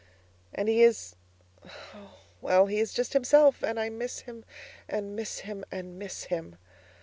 And he is Oh, well! He is just himself, and I miss him, and miss him, and miss him.